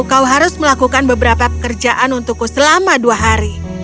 kau harus melakukan beberapa pekerjaan untukku selama dua hari